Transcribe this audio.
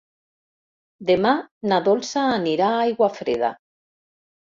Demà na Dolça anirà a Aiguafreda.